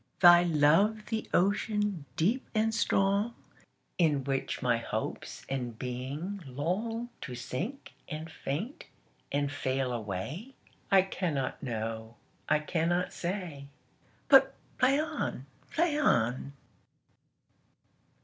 Thy love the ocean, deep and strong, In which my hopes and being longTo sink and faint and fail away?I cannot know. I cannot say. But play, play on.